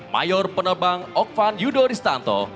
mayor penerbang okvan yudhoristanto